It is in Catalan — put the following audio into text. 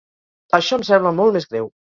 Això em sembla molt més greu.